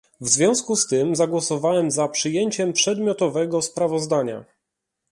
W związku z tym zagłosowałem za przyjęciem przedmiotowego sprawozdania